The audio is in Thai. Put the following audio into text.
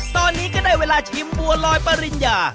ตอนนี้ก็ได้เวลาชิมบัวลอยปริญญา